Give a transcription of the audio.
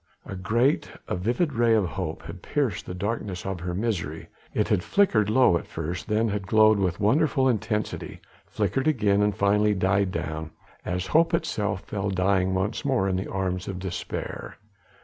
A great, a vivid ray of hope had pierced the darkness of her misery, it had flickered low at first, then had glowed with wonderful intensity, flickered again and finally died down as hope itself fell dying once more in the arms of despair.